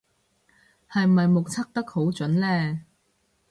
係咪目測得好準呢